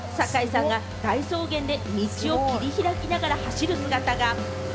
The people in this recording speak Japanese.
堺さんが大草原で道を切り開きながら走る姿が。